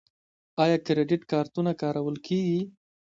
آیا کریډیټ کارتونه کارول کیږي؟